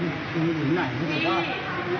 ให้น้องทำงานหน่อยนะพี่นะ